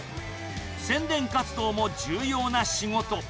宣伝活動も重要な仕事。